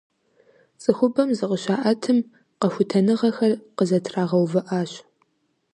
Цӏыхубэм зыкъыщаӀэтым, къэхутэныгъэхэр къызэтрагъэувыӀащ.